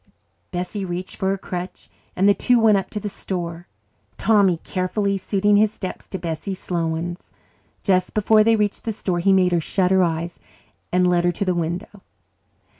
Bessie reached for her crutch and the two went up to the store, Tommy carefully suiting his steps to Bessie's slow ones. Just before they reached the store he made her shut her eyes and led her to the window.